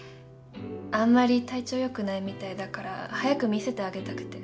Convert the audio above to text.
あんまり体調良くないみたいだから早く見せてあげたくて。